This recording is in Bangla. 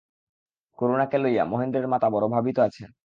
করুণাকে লইয়া মহেন্দ্রের মাতা বড়ো ভাবিত আছেন।